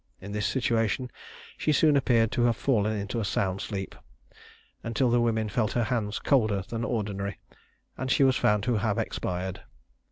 In this situation she soon appeared to have fallen into a sound sleep, until the women felt her hands colder than ordinary, and she was found to have expired.